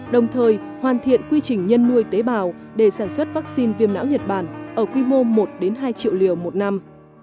đồng thời hoàn thiện quy trình nhân nuôi tế bào để sản xuất vaccine viêm não nhật bản ở quy mô một hai triệu liều một năm